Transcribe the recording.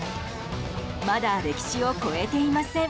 まだ歴史を超えていません。